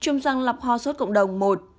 trung sang lọc hò suốt cộng đồng một